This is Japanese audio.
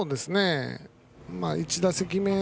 １打席目